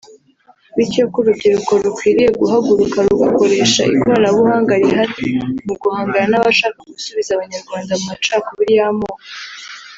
bityo ko urubyiruko rukwiriye guhaguruka rugakoresha ikoranabuhanga rihari mu guhangana n’abashaka gusubiza Abanyarwanda mu macakubiri y’amoko